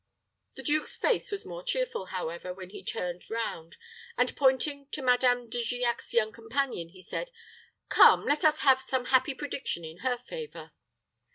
The duke's face was more cheerful, however, when he turned round; and, pointing to Madame De Giac's young companion, he said, "Come, let us have some happy prediction in her favor."